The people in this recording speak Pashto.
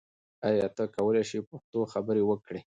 ایا ته کولای شې چې په پښتو خبرې وکړې؟